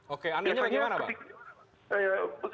oke anehnya bagaimana pak